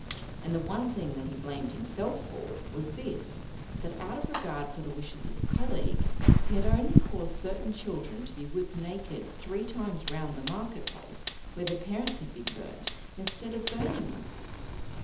And the one thing that he blamed himself for was this: that out of regard for the wishes of a colleague, he had only caused certain children to be whipped naked three times round the market place where their parents had been burned, instead of burning them.